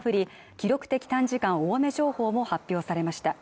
記録的短時間大雨情報も発表されました